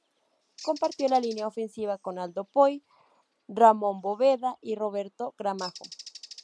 Compartió la línea ofensiva con Aldo Poy, Ramón Bóveda y Roberto Gramajo.